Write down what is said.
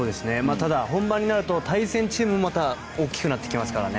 ただ、本番になると対戦チームもまた大きくなってきますからね。